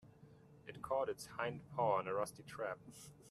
It caught its hind paw in a rusty trap.